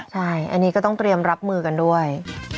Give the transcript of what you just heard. ใช่อันนี้ก็ต้องเตรียมรับมือกันด้วย